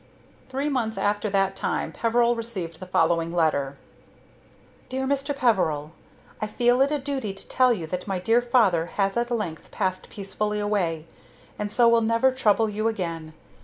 Three months after that time Peveril received the following letter: "DEAR MR. PEVERIL: "I feel it a duty to tell you that my dear father has at length passed peacefully away, and so will never trouble you again.